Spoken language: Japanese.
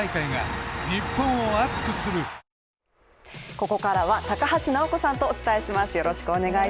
ここからは高橋尚子さんとお伝えします。